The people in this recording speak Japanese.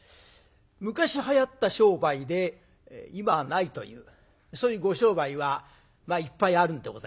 昔はやった商売で今はないというそういうご商売はいっぱいあるんでございますが。